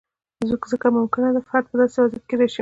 ځکه ممکنه ده فرد په داسې وضعیت کې راشي.